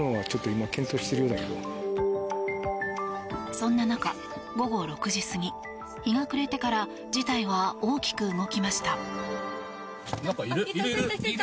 そんな中、午後６時過ぎ日が暮れてから事態は大きく動きました。